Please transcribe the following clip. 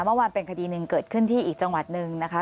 เมื่อวานเป็นคดี๑เกิดขึ้นที่อีกจังหวัด๑นะคะ